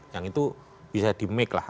yang itu bisa di make lah